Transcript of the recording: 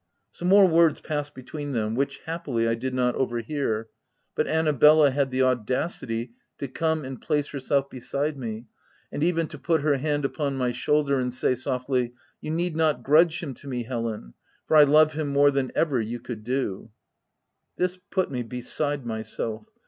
Some more words passed between them, OF WILDFELL HALL. 319 which, happily, I did not overhear ; but Anna bella had the audacity to come and place herself beside me, and even to put her hand upon my shoulder and say softly, —" You need not grudge him to me, Helen, for I love him more than ever you could do." This put me beside myself.